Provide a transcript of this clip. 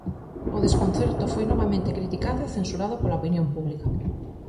O desconcerto foi novamente criticado e censurado pola opinión pública.